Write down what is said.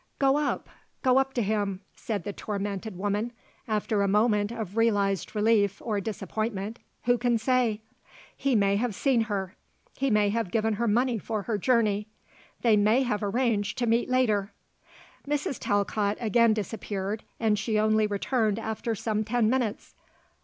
"Go up. Go up to him," said the tormented woman, after a moment of realized relief or disappointment who can say? "He may have seen her. He may have given her money for her journey. They may have arranged to meet later." Mrs. Talcott again disappeared and she only returned after some ten minutes.